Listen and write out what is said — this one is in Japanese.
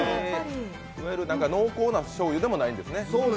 濃厚なしょうゆでもないんですね。